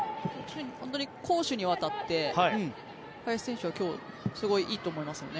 本当に攻守にわたって林選手は今日すごいいいと思いますね。